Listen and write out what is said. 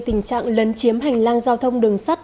tình trạng lấn chiếm hành lang giao thông đường sắt